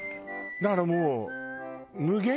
だからもう。